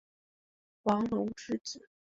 王隆之子。